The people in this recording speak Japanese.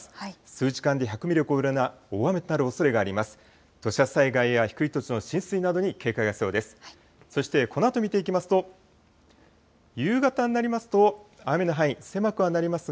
数時間で１００ミリを超えるような大雨となるおそれがあります。